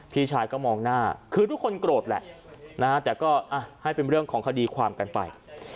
พี่ชายก็มองหน้าคือทุกคนโกรธแหละนะฮะแต่ก็ให้เป็นเรื่องของคดีความกันไป